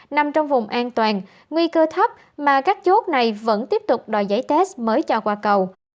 nằm trong vùng an toàn nguy cơ thấp mà các chốt này vẫn tiếp tục đòi giấy test mới cho qua cầu